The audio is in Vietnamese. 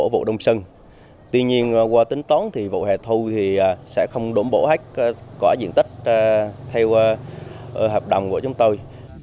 với nguồn nước như vậy